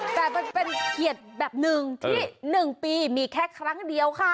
แต่มันเป็นเกียรติแบบหนึ่งที่๑ปีมีแค่ครั้งเดียวค่ะ